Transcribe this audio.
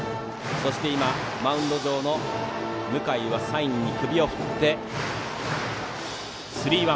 そしてマウンド上の向井はサインに首を振って。